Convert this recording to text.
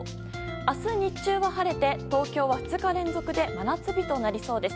明日日中も晴れて、東京は２日連続で真夏日となりそうです。